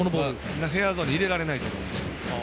フェアゾーンに入れられないと思うんですよ。